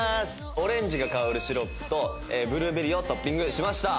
オレンジが香るシロップとブルーベリーをトッピングしました。